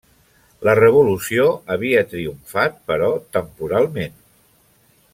La revolució havia triomfat, però temporalment.